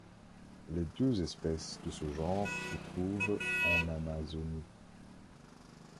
Les deux espèces de ce genre se trouve en Amazonie.